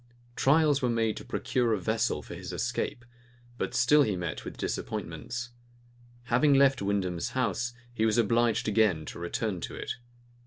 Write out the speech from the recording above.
Trials were made to procure a vessel for his escape; but he still met with disappointments. Having left Windham's house, he was obliged again to return to it.